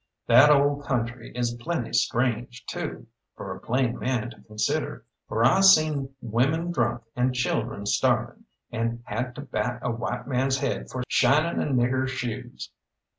That Old Country is plenty strange, too, for a plain man to consider, for I seen women drunk and children starving, and had to bat a white man's head for shining a nigger's shoes.